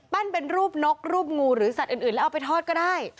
เป็นรูปนกรูปงูหรือสัตว์อื่นแล้วเอาไปทอดก็ได้